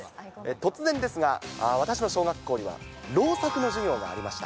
突然ですが、私の小学校には、労作の授業がありました。